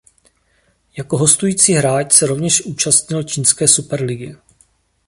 Jako hostující hráč se rovněž účastnil čínské superligy.